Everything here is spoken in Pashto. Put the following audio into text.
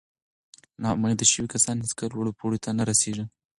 ناامیده شوي کسان هیڅکله لوړو پوړیو ته نه رسېږي.